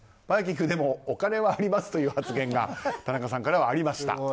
「バイキング」でもお金はありますという発言が田中さんからはありました。